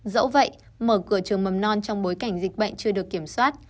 dẫu vậy mở cửa trường mầm non trong bối cảnh dịch bệnh chưa được kiểm soát